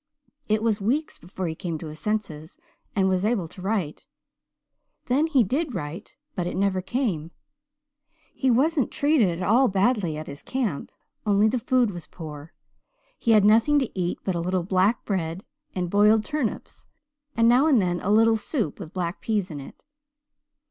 It was weeks before he came to his senses and was able to write. Then he did write but it never came. He wasn't treated at all badly at his camp only the food was poor. He had nothing to eat but a little black bread and boiled turnips and now and then a little soup with black peas in it.